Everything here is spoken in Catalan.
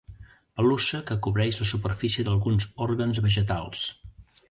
Pelussa que cobreix la superfície d'alguns òrgans vegetals.